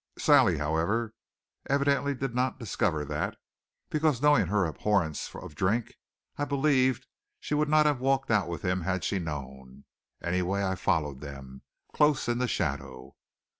Sally, however, evidently did not discover that, because, knowing her abhorrence of drink, I believed she would not have walked out with him had she known. Anyway, I followed them, close in the shadow.